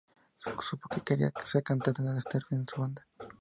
Supo que quería ser cantante al estar en una banda.